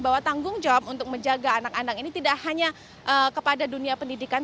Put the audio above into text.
bahwa tanggung jawab untuk menjaga anak anak ini tidak hanya kepada dunia pendidikan